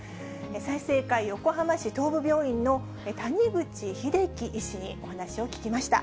済生会横浜市東部病院の谷口英喜医師に話を聞きました。